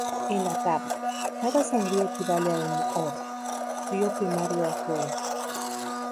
En la tabla, cada sangría equivale a un orden: río primario y afluente.